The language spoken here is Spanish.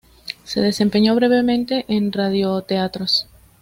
Se desempeñó brevemente en radioteatros.